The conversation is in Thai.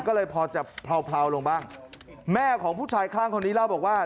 ก็เลยพอจะเผาลงบ้างแม่ของผู้ชายคลั่งคนนี้เล่าบอกว่า